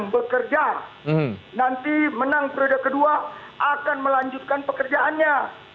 bereda hai nanti menang perutnya kedua akan melanjutkan pekerjaannya